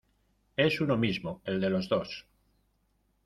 es uno mismo el de los dos.